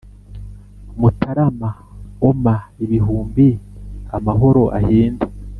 mutarama oma ibihumbi amahoro ahinde